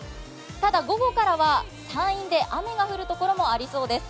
ただ午後からは山陰で雨が降るところもありそうです。